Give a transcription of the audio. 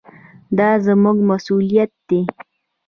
دا زموږ مسوولیت دی.